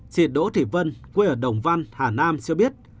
chị đỗ thị vân quê ở đồng văn hà nam cho biết